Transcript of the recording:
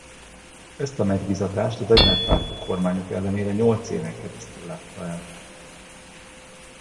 Ezt a megbízatást az egymást váltó kormányok ellenére nyolc éven keresztül látta el.